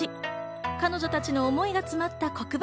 彼女たちの思いが詰まった黒板